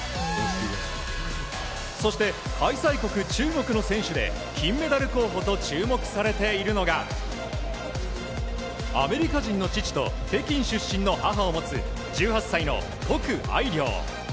そして、開催国、中国の選手で、金メダル候補と注目されているのが、アメリカ人の父と北京出身の母を持つ、１８歳の谷愛凌。